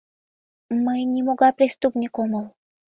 — Мый нимогай преступник омыл.